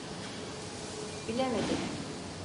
Bilemedin.